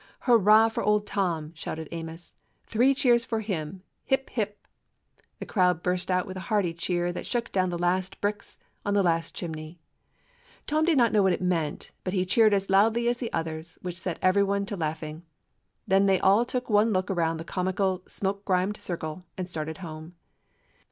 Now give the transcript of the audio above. "Hurrah for old Tom!" shouted Amos. "Three cheers for him! Hip — hip!" The crowd burst out with a hearty cheer that shook down the last bricks on the last chimney. Tom did not know what it meant, but he cheered as loudly as the others, which set every one to laughing. Then they all took 251 DOG HEROES OF MANY LANDS one look around the comical, smoke grimed circle, and started home.